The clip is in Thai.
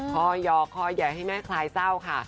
คอยอย่าให้แม่คลายเศร้าค่ะ